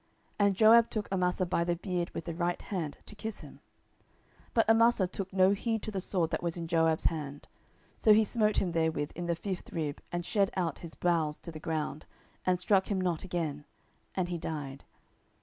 And Joab took Amasa by the beard with the right hand to kiss him. 10:020:010 But Amasa took no heed to the sword that was in Joab's hand: so he smote him therewith in the fifth rib, and shed out his bowels to the ground, and struck him not again; and he died.